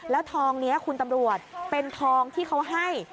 แล้วทองนี้คุณตำรวจเป็นทองที่เขาให้